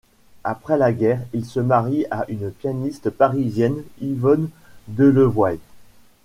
Après la guerre, il se marie à une pianiste parisienne, Yvonne Delevoye.